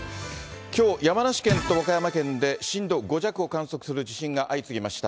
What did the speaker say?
きょう、山梨県と和歌山県で震度５弱を観測する地震が相次ぎました。